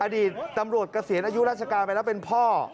อดีตตำรวจเกษียณอายุราชการไปแล้วเป็นพ่อ